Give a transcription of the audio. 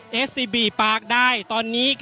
อย่างที่บอกไปว่าเรายังยึดในเรื่องของข้อ